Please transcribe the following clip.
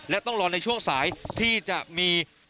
และต้องรอในช่วงสายที่จะมี